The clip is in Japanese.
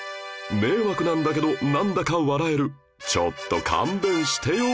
迷惑なんだけどなんだか笑えるちょっと勘弁してよ！